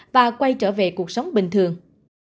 và quay trở về cuộc sống bình thường